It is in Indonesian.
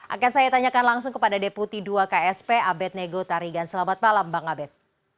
akan saya tanyakan langsung kepada deputi dua ksp abed nego tarigan selamat malam bang abed